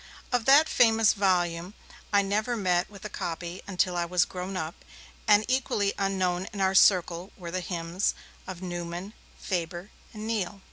Of that famous volume I never met with a copy until I was grown up, and equally unknown in our circle were the hymns of Newman, Faber and Neale.